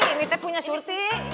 ini punya surut